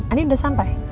andin udah sampai